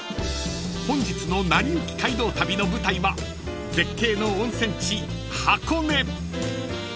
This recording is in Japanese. ［本日の『なりゆき街道旅』の舞台は絶景の温泉地箱根］